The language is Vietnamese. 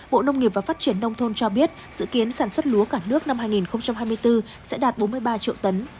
bộ nông nghiệp và phát triển nông thôn cho biết dự kiến sản xuất lúa cả nước năm hai nghìn hai mươi bốn sẽ đạt bốn mươi ba triệu tấn